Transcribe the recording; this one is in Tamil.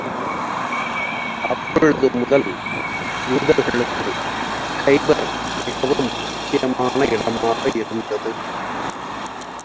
அப்பொழுது முதல், யூதர்களுக்கு கைபர் மிகவும் முக்கியமான இடமாக இருந்தது.